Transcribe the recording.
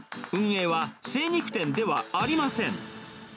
運営は精肉店ではありません。